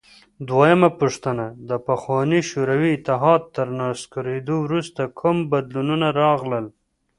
دویمه پوښتنه: د پخواني شوروي اتحاد تر نسکورېدو وروسته کوم بدلونونه راغلل؟